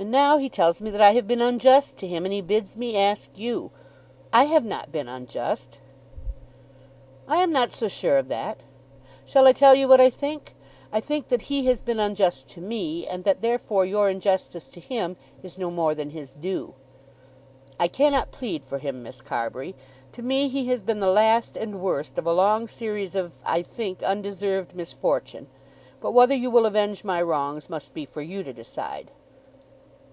"And now he tells me that I have been unjust to him and he bids me ask you. I have not been unjust." "I am not so sure of that. Shall I tell you what I think? I think that he has been unjust to me, and that therefore your injustice to him is no more than his due. I cannot plead for him, Miss Carbury. To me he has been the last and worst of a long series of, I think, undeserved misfortune. But whether you will avenge my wrongs must be for you to decide."